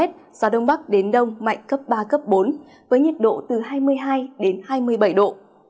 gió đông bắc đến đông mạnh cấp ba cấp bốn với nhiệt độ từ hai mươi hai đến hai mươi bảy độ